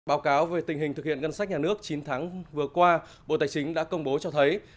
báo cáo về tình hình thực hiện ngân sách nhà nước chín tháng vừa qua bộ tài chính đã công bố cho thấy